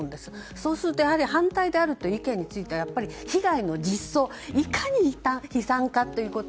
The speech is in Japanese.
そうすると、やはり反対であるというのは、被害の実相をいかに悲惨かということ。